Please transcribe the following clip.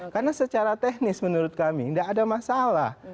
karena secara teknis menurut kami nggak ada masalah